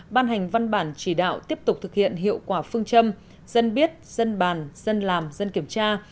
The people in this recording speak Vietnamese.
ban hành văn bản chỉ đạo tiếp tục thực hiện hiệu quả phương châm dân biết dân bàn dân làm dân kiểm tra